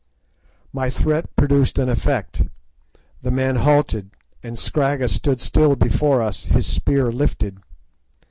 My threat produced an effect; the men halted, and Scragga stood still before us, his spear lifted.